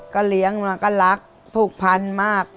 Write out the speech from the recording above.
ก็เลี้ยงมาก็รักผูกพันมาก